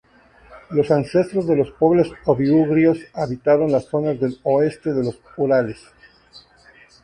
Los ancestros de los pueblos Obi-ugrios habitaron las zonas al oeste de los Urales.